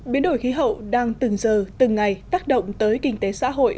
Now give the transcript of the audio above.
biến đổi khí hậu đang từng giờ từng ngày tác động tới kinh tế xã hội